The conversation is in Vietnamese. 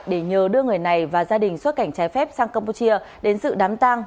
để nhờ đưa người này và gia đình xuất cảnh trái phép sang campuchia đến sự đám tang